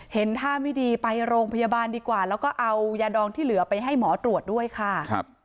เห็นท่าไม่ดีไปโรงพยาบาลดีกว่าแล้วก็เอายาดองที่เหลือไปให้หมอตรวจด้วยค่ะ